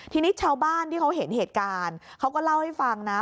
ทีนี้ชาวบ้านที่เขาเห็นเหตุการณ์เขาก็เล่าให้ฟังนะ